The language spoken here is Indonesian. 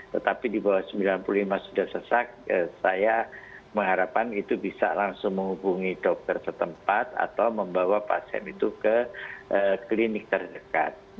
tetapi di bawah sembilan puluh lima sudah sesak saya mengharapkan itu bisa langsung menghubungi dokter setempat atau membawa pasien itu ke klinik terdekat